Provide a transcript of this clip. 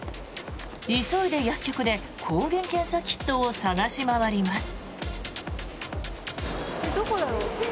急いで薬局で抗原検査キットを探し回ります。